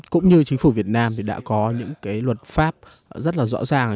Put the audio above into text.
cũng như chính phủ việt nam thì đã có những cái luật pháp rất là rõ ràng